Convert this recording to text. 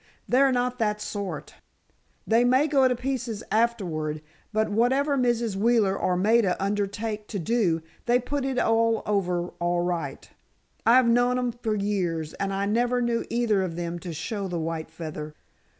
They're not that sort. They may go to pieces afterward, but whatever Mrs. Wheeler or Maida undertake to do, they put it over all right. I've known 'em for years, and I never knew either of them to show the white feather."